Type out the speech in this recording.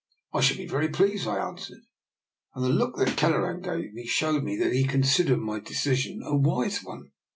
" I shall be very pleased," I answered; and the look that Kelleran gave me showed me that he considered my decision a wise one.